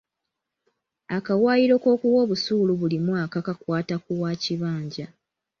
Akawaayiro k'okuwa obusuulu buli mwaka kakwata ku wa kibanja.